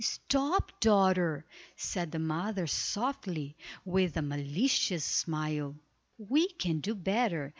"Stop, daughter," said the mother, softly, with a malicious smile, "we can do better.